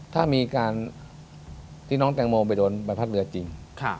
ถ้ามีการที่น้องแตงโมไปโดนใบพัดเรือจริง